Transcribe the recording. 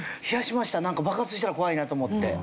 なんか爆発したら怖いなと思って。